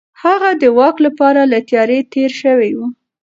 هغه د واک لپاره له تيارۍ تېر شوی و.